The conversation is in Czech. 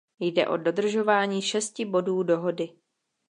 Jde o dodržování šesti bodů dohody.